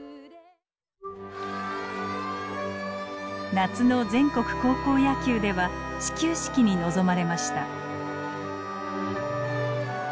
夏の全国高校野球では始球式に臨まれました。